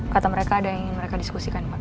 kata mereka ada yang ingin mereka diskusikan pak